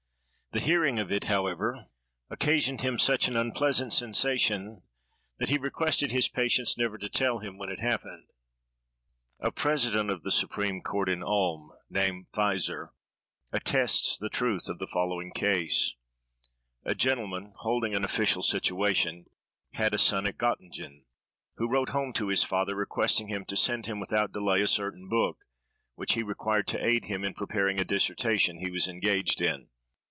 The hearing of it, however, occasioned him such an unpleasant sensation, that he requested his patients never to tell him when it happened. A president of the supreme court, in Ulm, named Pfizer, attests the truth of the following case: A gentleman, holding an official situation, had a son at Göttingen, who wrote home to his father, requesting him to send him, without delay, a certain book, which he required to aid him in preparing a dissertation he was engaged in.